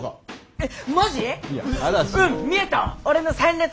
えっ？